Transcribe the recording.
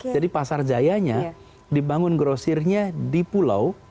jadi pasar jayanya dibangun grocery nya di pulau